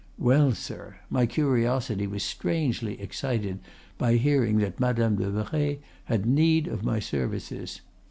Well, sir, my curiosity was strangely excited by hearing that Madame de Merret had need of my services.